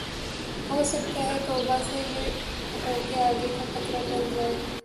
ہوسکتا ہے توبہ سے یہ ہو کہ آگے کا خطرہ ٹل جاۓ